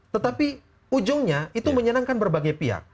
tetapi ujungnya itu menyenangkan berbagai pihak